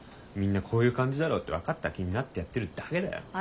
みんな「こういう感じだろ」って分かった気になってやってるだけだよ。